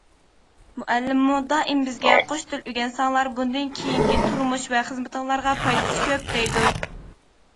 مۇئەللىممۇ دائىم بىزگە قوش تىل ئۆگەنسەڭلار بۇندىن كېيىنكى تۇرمۇش ۋە خىزمىتىڭلارغا پايدىسى كۆپ دەيدۇ.